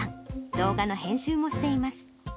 動画の編集もしています。